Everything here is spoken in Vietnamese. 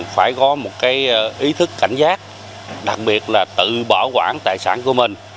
phải có một cái ý thức cảnh giác đặc biệt là tự bảo quản tài sản của mình